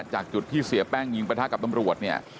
จากจุดที่เสียแป้งยิงประทะกับตำรวจเนี่ย